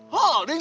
hah dia tadi aja